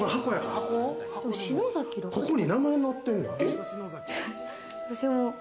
ここに名前、載ってんねん。